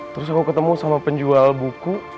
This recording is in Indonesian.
terus aku ketemu sama penjual buku